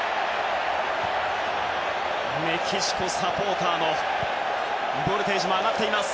メキシコサポーターのボルテージも上がっています。